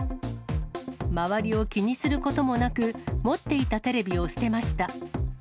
周りを気にすることもなく、持っていたテレビを捨てました。